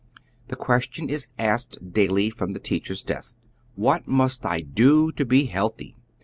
The question is asked daily from the teacher's desk :" What must I do to be healthy